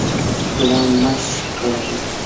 ګلان مه شکولوئ